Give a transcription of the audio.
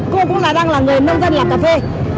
cô cũng đang là người nông dân lập cà phê